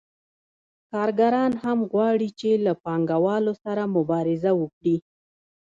کارګران هم غواړي چې له پانګوالو سره مبارزه وکړي